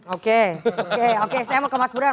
oke oke oke saya mau ke mas burhan